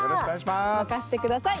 任せてください。